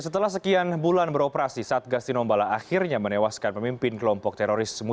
setelah sekian bulan beroperasi satgas tinombala akhirnya menewaskan pemimpin kelompok teroris